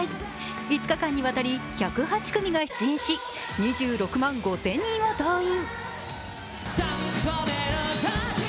５日間にわたり１０８組が出演し、２６万５０００人を動員。